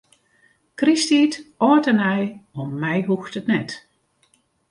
Krysttiid, âld en nij, om my hoecht it net.